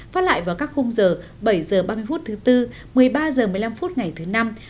phát lại vào các khung giờ bảy h ba mươi phút thứ bốn một mươi ba h một mươi năm phút ngày thứ năm